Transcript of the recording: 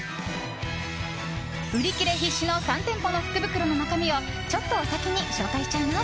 売り切れ必至の３店舗の福袋の中身をちょっとお先に紹介しちゃいます。